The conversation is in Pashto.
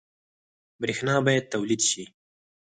برښنا باید تولید شي